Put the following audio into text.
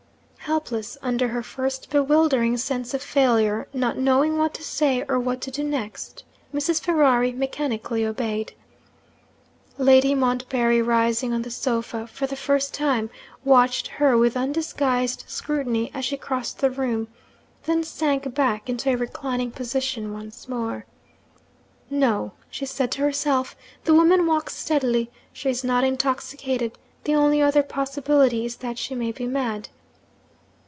Helpless under her first bewildering sense of failure not knowing what to say or what to do next Mrs. Ferrari mechanically obeyed. Lady Montbarry, rising on the sofa for the first time, watched her with undisguised scrutiny as she crossed the room then sank back into a reclining position once more. 'No,' she said to herself, 'the woman walks steadily; she is not intoxicated the only other possibility is that she may be mad.'